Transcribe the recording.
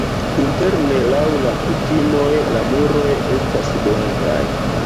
Interne laŭ la kutimoj la muroj estas blankaj.